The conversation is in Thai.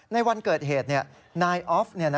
ในวันเกิดเหตุนายออฟ